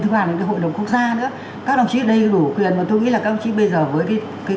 thứ ba là cái hội đồng quốc gia nữa các đồng chí ở đây đủ quyền mà tôi nghĩ là các đồng chí bây giờ với cái